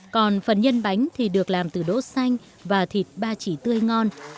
còn phần nhân bánh thì được làm từ đỗ xanh và thịt ba chỉ tươi ngon